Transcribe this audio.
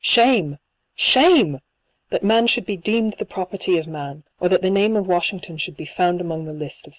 Shame ! Shame ! that man should be deemed the property of man j or that the name of Washington should be found among the list of such proprietors.